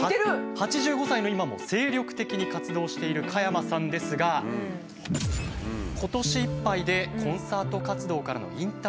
８５歳の今も精力的に活動している加山さんですが今年いっぱいでコンサート活動からの引退を決意されました。